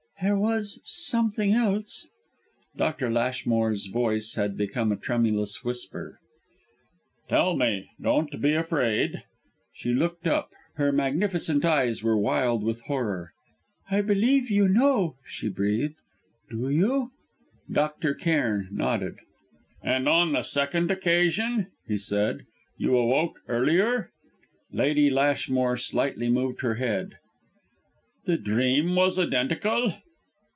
"There was something else." Lady Lashmore's voice had become a tremulous whisper. "Tell me; don't be afraid." She looked up; her magnificent eyes were wild with horror. "I believe you know!" she breathed. "Do you?" Dr. Cairn nodded. "And on the second occasion," he said, "you awoke earlier?" Lady Lashmore slightly moved her head. "The dream was identical?"